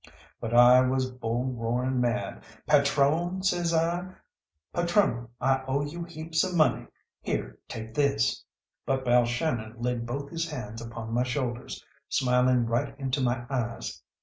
But I was bull roaring mad. "Patrone," says I, "patrone, I owe you heaps of money. Here, take this!" But Balshannon laid both his hands upon my shoulders, smiling right into my eyes.